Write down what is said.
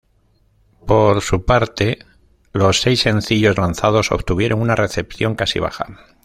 Por su parte, los seis sencillos lanzados, obtuvieron una recepción casi baja.